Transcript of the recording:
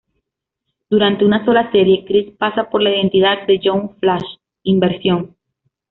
Durante una sola serie, Krist pasa por la identidad de Young Flash, Inversión.